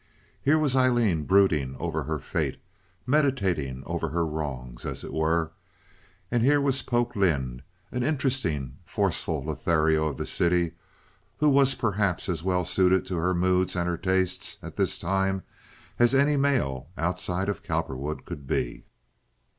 Here was Aileen brooding over her fate, meditating over her wrongs, as it were; and here was Polk Lynde, an interesting, forceful Lothario of the city, who was perhaps as well suited to her moods and her tastes at this time as any male outside of Cowperwood could be.